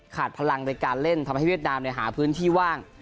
พลังในการเล่นทำให้เวียดนามหาพื้นที่ว่าง